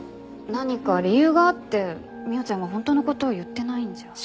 何か理由があって未央ちゃんは本当の事を言ってないんじゃ。